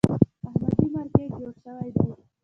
احمدي مارکېټ جوړ شوی دی.